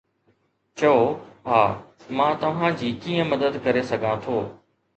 چئو ها، مان توهان جي ڪيئن مدد ڪري سگهان ٿو؟